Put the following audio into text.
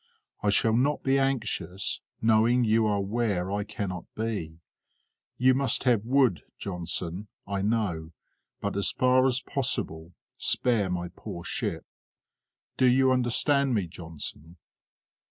I shall not be anxious, knowing you are where I cannot be. You must have wood, Johnson, I know, but, as far as possible, spare my poor ship. Do you understand me, Johnson?"